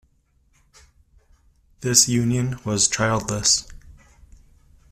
This union was childless.